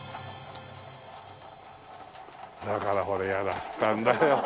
だからほら嫌だっつったんだよ。